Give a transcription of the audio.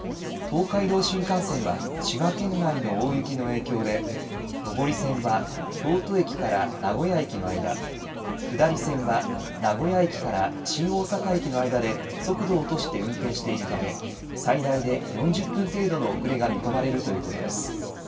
東海道新幹線は、滋賀県内の大雪の影響で、上り線は京都駅から名古屋駅の間、下り線は名古屋駅から新大阪駅の間で速度を落として運転しているため、最大で４０分程度の遅れが見込まれるということです。